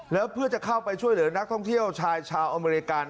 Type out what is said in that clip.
แล้วเพื่อจะเข้าไปช่วยเหลือนักท่องเที่ยวชายชาวอเมริกา